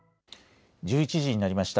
１１時になりました。